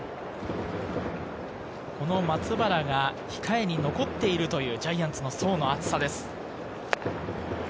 この松原が控えに残っているというジャイアンツの層の厚さです。